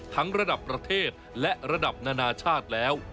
ระดับประเทศและระดับนานาชาติแล้ว